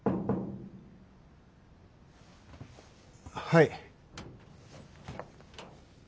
はい。